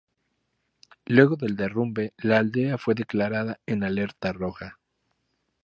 Luego del derrumbe, la aldea fue declarada en Alerta Roja.